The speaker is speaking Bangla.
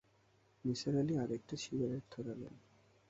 নিসার আলি আরেকটা সিগারেট ধরালেন।